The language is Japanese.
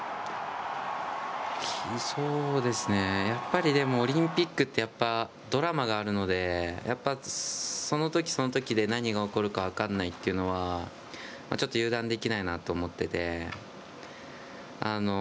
やっぱりでもオリンピックってやっぱドラマがあるのでそのとき、そのときで何が起こるか分からないというのはちょっと油断できないなと思っていて。